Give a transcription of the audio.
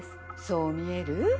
そう見える？